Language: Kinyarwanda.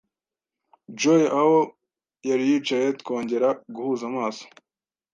Joy aho yari yicaye twongera guhuza amaso